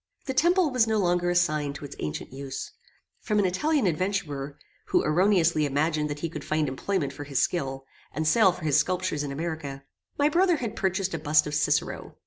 The temple was no longer assigned to its ancient use. From an Italian adventurer, who erroneously imagined that he could find employment for his skill, and sale for his sculptures in America, my brother had purchased a bust of Cicero.